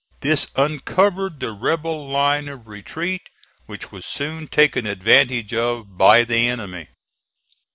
This uncovered the rebel line of retreat, which was soon taken advantage of by the enemy.